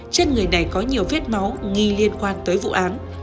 trên người này có nhiều vết máu nghi liên quan tới vụ án